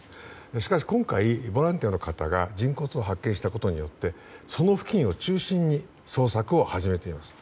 しかし今回、ボランティアの方が人骨を発見したことによってその付近を中心に捜索を始めています。